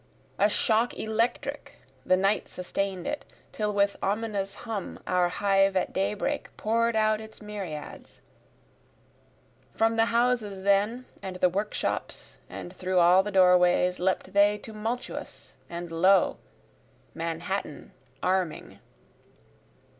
A shock electric, the night sustain'd it, Till with ominous hum our hive at daybreak pour'd out its myriads. From the houses then and the workshops, and through all the doorways, Leapt they tumultuous, and lo! Manhattan arming.